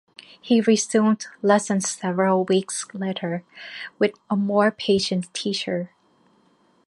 He resumed lessons several weeks later with a more patient teacher.